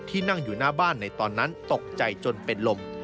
นั่งอยู่หน้าบ้านในตอนนั้นตกใจจนเป็นลม